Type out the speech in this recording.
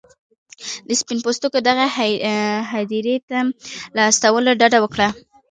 د سپین پوستو دغې هدیرې ته له استولو ډډه وکړه.